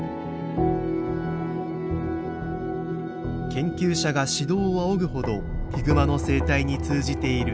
研究者が指導を仰ぐほどヒグマの生態に通じている藤本。